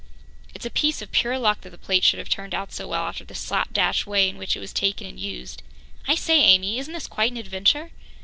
"It's a piece of pure luck that the plate should have turned out so well after the slap dash way in which it was taken and used. I say, Amy, isn't this quite an adventure?"